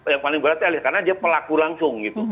yang paling beratnya eliezer karena dia pelaku langsung